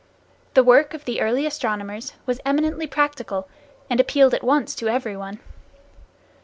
The work of the early astronomers was eminently practical, and appealed at once to every one.